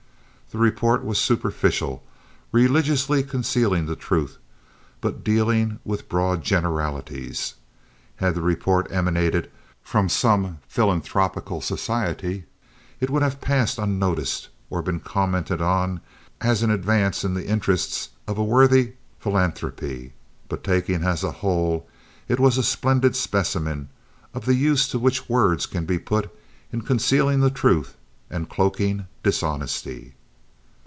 The report was superficial, religiously concealing the truth, but dealing with broad generalities. Had the report emanated from some philanthropical society, it would have passed unnoticed or been commented on as an advance in the interest of a worthy philanthropy but taken as a whole, it was a splendid specimen of the use to which words can be put in concealing the truth and cloaking dishonesty.